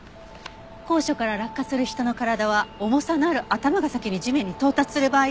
高所から落下する人の体は重さのある頭が先に地面に到達する場合が多い。